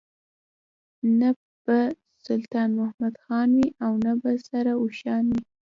نه به سلطان محمد خان وي او نه سره اوښان وي.